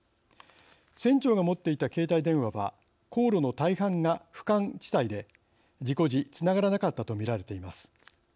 船長が持っていた携帯電話は航路の大半が不感地帯で事故時、つながらなかったと見られています。